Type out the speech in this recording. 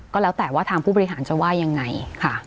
ก็แล้วแต่ว่าทางผู้บริหารจะว่ายังไงค่ะ